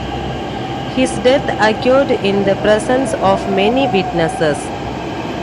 His death occurred in the presence of many witnesses.